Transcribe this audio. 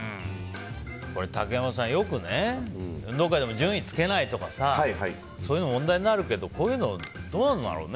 竹山さん、運動会でも順位をつけないとかそういうの問題になるけどこういうのどうなんだろうね。